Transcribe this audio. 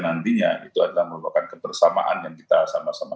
nantinya itu adalah merupakan kebersamaan yang kita sama sama